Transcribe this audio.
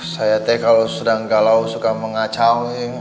saya tia kalau sedang kalau suka mengacau